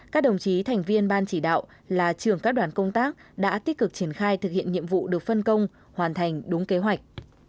các đồng chí thành viên ban chỉ đạo là trưởng các đoàn công tác đã tích cực triển khai thực hiện nhiệm vụ được phân công hoàn thành đúng kế hoạch